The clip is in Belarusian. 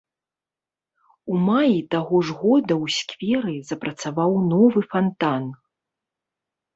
У маі таго ж года ў скверы запрацаваў новы фантан.